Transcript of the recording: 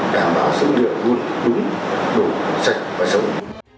đảm bảo dữ liệu luôn đúng đủ sạch và sống